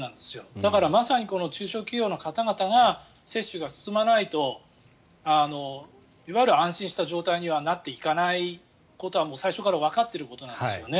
だから、まさに中小企業の方々が接種が進まないといわゆる安心した状態になっていかないことは最初からわかっていることなんですよね。